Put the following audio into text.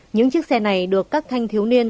những chiếc xe này được các thanh thiếu niên